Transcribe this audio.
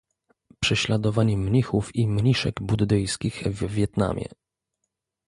Prześladowanie mnichów i mniszek buddyjskich w Wietnamie